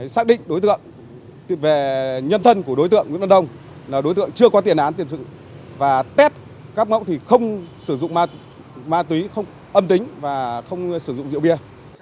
xác định đối tượng về nhân thân của đối tượng nguyễn văn đông là đối tượng chưa có tiền án tiền sự và test các mẫu thì không sử dụng ma túy không âm tính và không sử dụng rượu bia